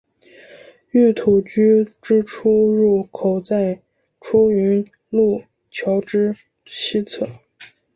御土居之出入口在出云路桥之西侧。